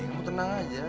kamu tenang aja